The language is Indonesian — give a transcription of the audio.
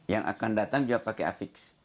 yang akan datang juga pakai afix